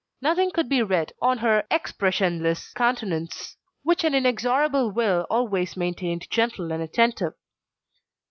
Nothing could be read on her expressionless countenance, which an inexorable will always maintained gentle and attentive.